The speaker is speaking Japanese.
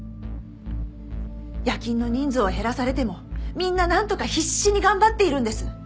夜勤の人数を減らされてもみんななんとか必死に頑張っているんです。